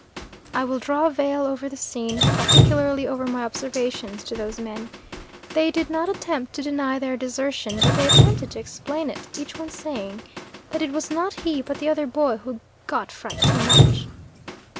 I will draw a veil over the scene, particularly over my observations to those men. They did not attempt to deny their desertion, but they attempted to explain it, each one saying that it was not he but the other boy who "got fright too much."